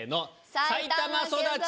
埼玉育ち。